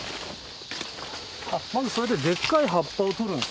まずそれででっかい葉っぱを取るんですか？